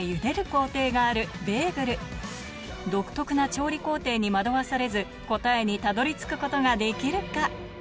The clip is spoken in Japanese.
工程がある独特な調理工程に惑わされず答えにたどり着くことができるか？